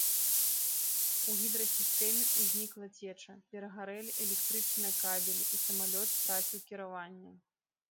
У гідрасістэме ўзнікла цеча, перагарэлі электрычныя кабелі і самалёт страціў кіраванне.